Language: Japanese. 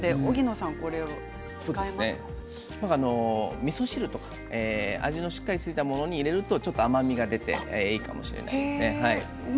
みそ汁とか味のしっかりついたものに入れると甘みが出ていいかもしれないですね。